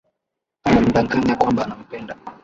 Anamdanganya kwamba anampenda